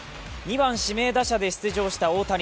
２番・指名打者で出場した大谷。